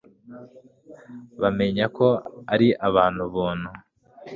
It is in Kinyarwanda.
bamenye ko ari abantu buntu